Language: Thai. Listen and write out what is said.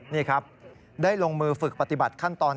นี่ครับได้ลงมือฝึกปฏิบัติขั้นตอน